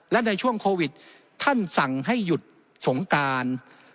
และในช่วงโควิดท่านสั่งให้หยุดสงการ